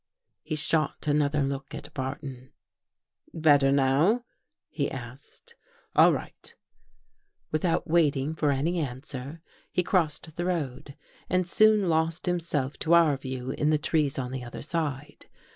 He shot another look at Barton. " Better now? " he asked. " All right." 16 233 THE GHOST GIRL Without waiting for any answer he crossed the road and soon lost himself to our view in the trees on the other side.